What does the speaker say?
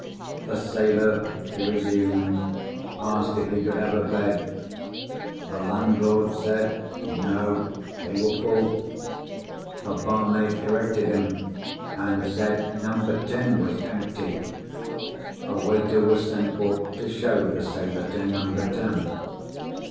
"The sailor," he resumed, "asked if he could have a bed. The landlord said 'No; they were full.' The barmaid corrected him, and said 'Number Ten was empty.' A waiter was sent for to show the sailor to Number Ten.